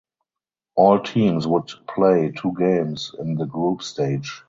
All teams would play two games in the group stage.